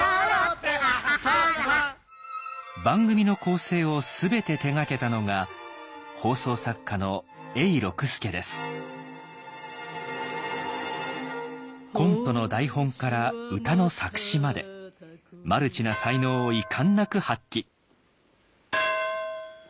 番組の構成を全て手がけたのがコントの台本から歌の作詞までマルチな才能を遺憾なく発揮。